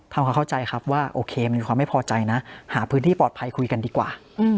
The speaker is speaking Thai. ทำความเข้าใจครับว่าโอเคมีความไม่พอใจนะหาพื้นที่ปลอดภัยคุยกันดีกว่า